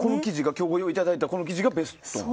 今日、ご用意していただいたこの生地がベストと。